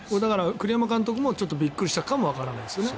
栗山監督もびっくりしたかもわからないですね。